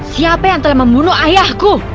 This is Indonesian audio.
siapa yang telah membunuh ayahku